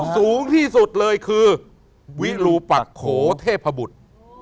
สูงที่สุดเลยวิฬูปะโขเทพผบุทธ์